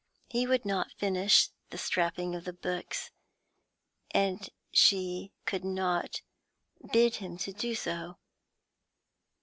He would not finish the strapping of the books, and she could not bid him do so.